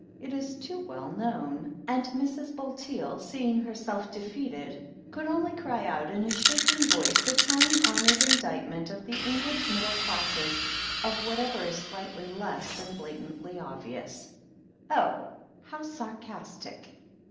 It is too well known." And Mrs. Bulteel, seeing herself defeated, could only cry out in a shaking voice the time honoured in dictment of the English middle classes of whatever is slightly less than blatantly obvious : "Oh I How sarcastic!"